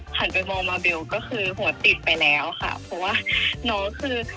หันไปมองมาเบลก็คือหัวติดไปแล้วค่ะเพราะว่าน้องคือ